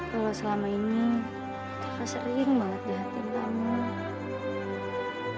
kalau selama ini terlalu sering banget di hatimu